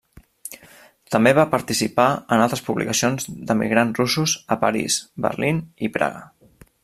També va participar en altres publicacions d'emigrants russos a París, Berlín, i Praga.